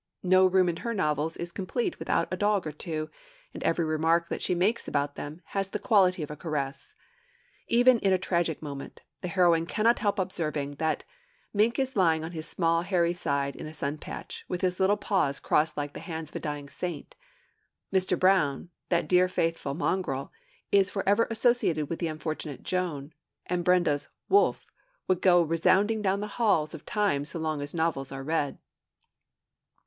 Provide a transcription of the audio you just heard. No room in her novels is complete without a dog or two; and every remark that she makes about them has the quality of a caress. Even in a tragic moment, the heroine cannot help observing, that 'Mink is lying on his small hairy side in a sunpatch, with his little paws crossed like the hands of a dying saint.' 'Mr. Brown,' that dear, faithful mongrel, is forever associated with the unfortunate Joan; and Brenda's 'wouff' will go resounding down the halls of time so long as novels are read.